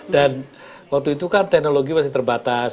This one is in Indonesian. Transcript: dan waktu itu kan teknologi masih terbatas